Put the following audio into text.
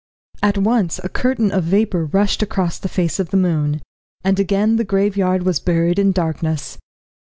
At once a curtain of vapour rushed across the face of the moon, and again the graveyard was buried in darkness.